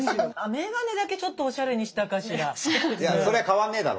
眼鏡だけちょっとおしゃれにしたかしら。